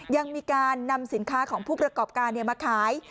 ยังมีการนำสินค้าของผู้ประกอบการมาขาย